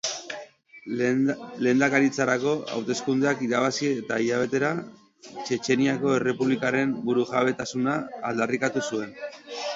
Lehendakaritzarako hauteskundeak irabazi eta hilabetera, Txetxeniako Errepublikaren burujabetasuna aldarrikatu zuen.